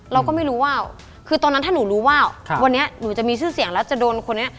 เราก็ไม่รู้ว่าคือตอนนั้นถ้าหนูรู้ว่าวันนี้หนูจะมีชื่อเสียงแล้วจะโดนคนนี้